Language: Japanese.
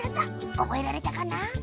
おぼえられたかな？